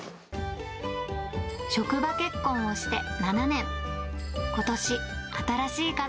職場結婚をして７年。